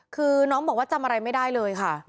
คือน้องบอกว่าจำอะไรไม่ได้เลยค่ะ